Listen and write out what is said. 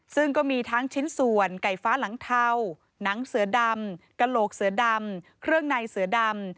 ซึ่งก็มีทั้งชิ้นส่วนไก่ฟ้าหลังเทาหนังเสือดำกระโหลกเสือดำเครื่องในเสือดำ